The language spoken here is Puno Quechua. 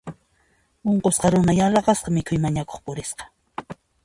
Unqusqa runa yaraqasqa mikhuy mañakuq purisqa.